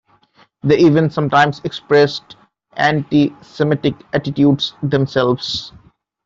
They even sometimes expressed anti-Semitic attitudes themselves.